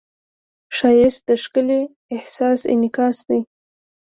ښایست د ښکلي احساس انعکاس دی